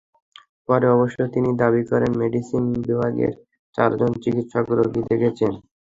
পরে অবশ্য, তিনি দাবি করেন মেডিসিন বিভাগে চারজন চিকিৎসক রোগী দেখছেন।